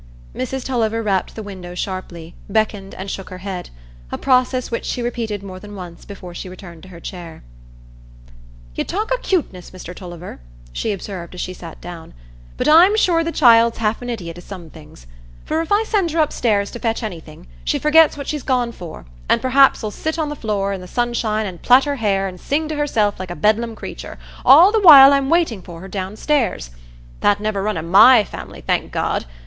Mrs Tulliver rapped the window sharply, beckoned, and shook her head,—a process which she repeated more than once before she returned to her chair. "You talk o' 'cuteness, Mr Tulliver," she observed as she sat down, "but I'm sure the child's half an idiot i' some things; for if I send her upstairs to fetch anything, she forgets what she's gone for, an' perhaps 'ull sit down on the floor i' the sunshine an' plait her hair an' sing to herself like a Bedlam creatur', all the while I'm waiting for her downstairs. That niver run i' my family, thank God!